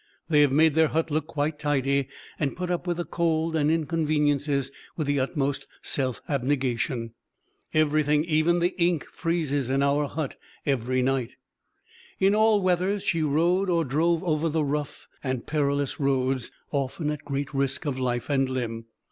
They have made their hut look quite tidy, and put up with the cold and inconveniences with the utmost self abnegation. Everything, even the ink, freezes in our hut every night." In all weathers she rode or drove over the rough and perilous roads, often at great risk of life and limb.